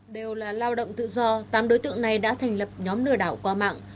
đều là lao động tự do tám đối tượng này đã thành lập nhóm lừa đảo qua mạng